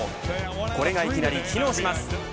これがいきなり機能します。